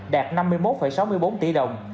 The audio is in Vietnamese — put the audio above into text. đạt năm mươi một sáu mươi bốn tỷ đồng